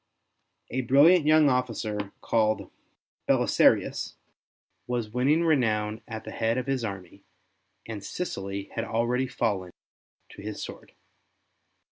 A brilliant 3^oung officer called Belisarius was winning renown at the head of his army, and Sicily had already fallen to his sword.